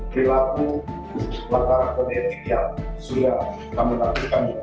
berlaku latar kebetulan yang sudah kami lakukan